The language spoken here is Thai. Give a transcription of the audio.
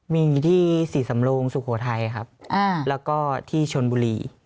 มีอยู่ที่ศรีสำโลงสุโขทัยครับแล้วก็ที่ชนบุรี